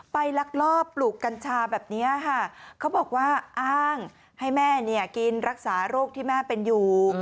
ลักลอบปลูกกัญชาแบบนี้ค่ะเขาบอกว่าอ้างให้แม่เนี่ยกินรักษาโรคที่แม่เป็นอยู่